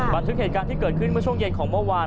บันทึกเหตุการณ์ที่เกิดขึ้นเมื่อช่วงเย็นของเมื่อวาน